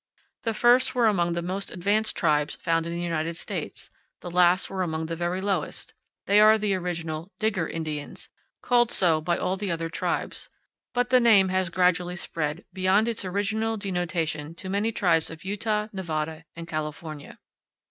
The first were among the most advanced tribes found in the United States; the last were among the very lowest; they are the original "Digger" Indians, called so by all the other tribes, but the name has gradually spread beyond its original denotation to many tribes of Utah, Nevada, and California.